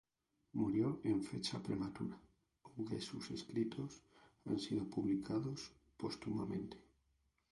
Murió en fecha prematura, aunque sus escritos han sido publicados póstumamente.